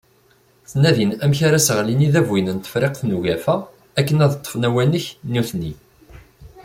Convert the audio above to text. Ttnadin amek ara seɣlin idabuyen n Tefriqt n Ugafa akken ad ṭfen awanek nutni.